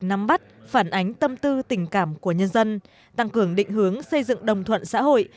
nắm bắt phản ánh tâm tư tình cảm của nhân dân tăng cường định hướng xây dựng đồng thuận xã hội